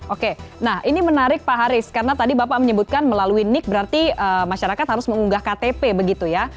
oke nah ini menarik pak haris karena tadi bapak menyebutkan melalui nik berarti masyarakat harus mengunggah ktp begitu ya